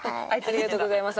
ありがとうございます。